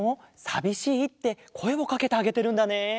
「さびしい」ってこえをかけてあげてるんだね。